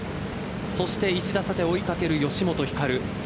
そして１打差で追いかける吉本ひかる。